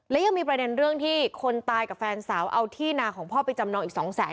และยังมีประเด็นเรื่องที่คนตายกับแฟนสาวเอาที่นาของพ่อไปจำนองอีกสองแสน